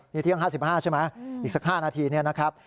นี่เที่ยง๕๕ใช่ไหมอีกสัก๕นาทีเนี่ยนะครับ